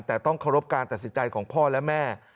แต่ต้องเคารพการตัดสินใจของพ่อและแม่